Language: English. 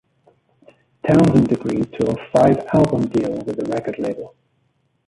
Townsend agreed to a five-album deal with the record label.